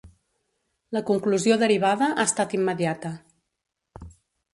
La conclusió derivada ha estat immediata.